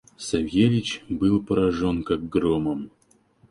Савельич был поражен как громом.